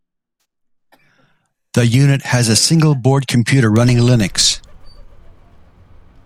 The unit has a single-board computer running Linux.